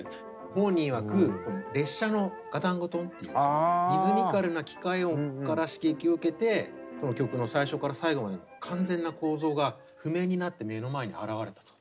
本人いわく列車のガタンゴトンっていうリズミカルな機械音から刺激を受けてこの曲の最初から最後まで完全な構造が譜面になって目の前に現れたと。